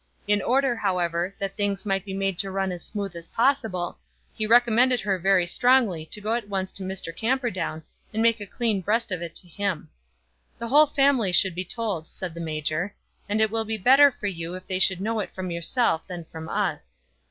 In order, however, that things might be made to run as smooth as possible, he recommended her very strongly to go at once to Mr. Camperdown and make a clean breast of it to him. "The whole family should be told," said the major, "and it will be better for you that they should know it from yourself than from us."